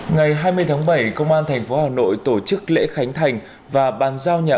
ngày hai mươi tháng bảy công an tp hà nội tổ chức lễ khánh thành và bàn giao nhà